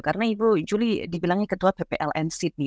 karena ibu juli dibilangnya ketua ppln sydney